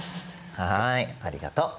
はいありがとう。